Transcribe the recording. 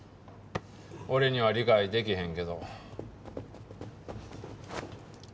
俺には理解できへんけど。